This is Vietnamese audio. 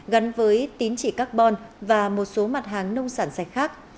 gắn với tín chỉ carbon và một số mặt hàng nông sản sạch khác